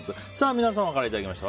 皆様からいただきました